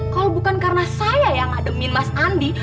kalau bukan karena saya yang ngademin mas andi